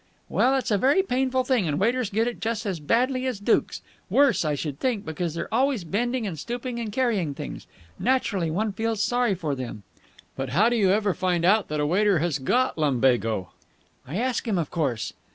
"Well, it's a very painful thing, and waiters get it just as badly as dukes. Worse, I should think, because they're always bending and stooping and carrying things. Naturally one feels sorry for them." "But how do you ever find out that a waiter has got lumbago?" "I ask him, of course."